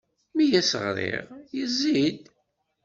Mi as-ɣriɣ, yezzi-d.